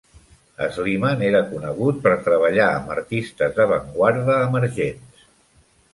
Slimane era conegut per treballar amb artistes d'avantguarda emergents.